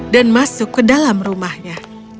dan masuk ke dalam rumahnya